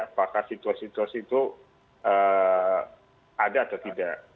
apakah situasi situasi itu ada atau tidak